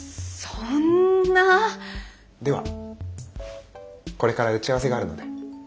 ではこれから打ち合わせがあるので。